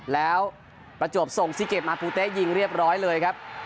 แล้วประจวบส่งซีเกดมาภูเต๊ะยิงเรียบร้อยเลยครับ